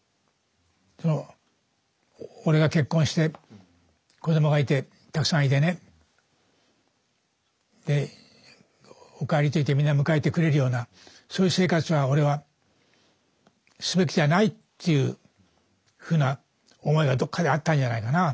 俺が結婚して子供がいてたくさんいてねで「お帰り」と言ってみんな迎えてくれるようなそういう生活は俺はすべきじゃないっていうふうな思いがどっかであったんじゃないかな。